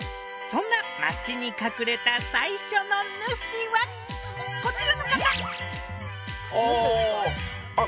そんな街に隠れた最初の主はこちらの方あああ